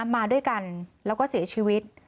มาด้วยกันแล้วก็เสียชีวิต